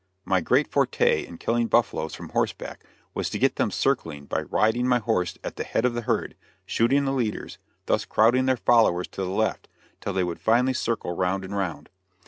My great forte in killing buffaloes from horseback was to get them circling by riding my horse at the head of the herd, shooting the leaders, thus crowding their followers to the left, till they would finally circle round and round.